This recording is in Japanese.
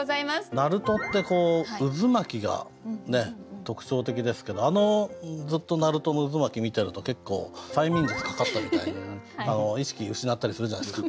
なるとってこう渦巻きが特徴的ですけどあのずっとなるとの渦巻き見てると結構催眠術かかったみたいに意識失ったりするじゃないですか。